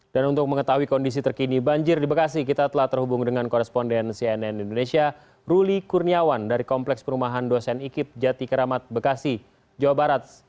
dan untuk mengetahui kondisi terkini banjir di bekasi kita telah terhubung dengan koresponden cnn indonesia ruli kurniawan dari kompleks perumahan dosen ikib jati keramat bekasi jawa barat